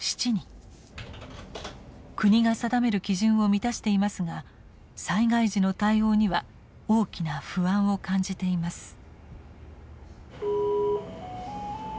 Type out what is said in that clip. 国が定める基準を満たしていますが災害時の対応には大きな不安を感じています。